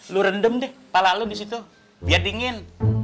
lo rendam deh kepala lo di situ biar dingin